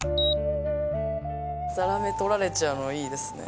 ザラメ取られちゃうのはいいですね。